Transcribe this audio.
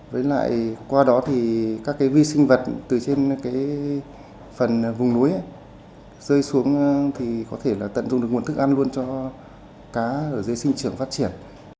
với lại qua đó thì các cái vi sinh vật từ trên cái phần vùng núi rơi xuống thì có thể là tận dụng được nguồn thức ăn luôn cho cá ở dưới sinh trưởng phát triển